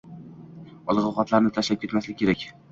Oziq-ovqatlarni tashlab ketmaslik kerak